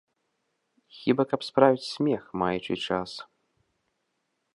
Хіба каб справіць смех, маючы час.